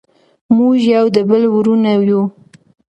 موږ یو د بل وروڼه یو.